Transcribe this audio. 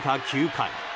９回。